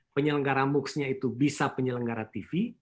penyelenggara moocsnya itu bisa penyelenggara tv